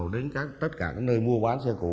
đến tất cả các nơi mua bán xe cũ